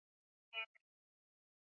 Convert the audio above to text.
Nguo zangu